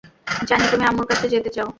জানি, তুমি আম্মুর কাছে যেতে চাও!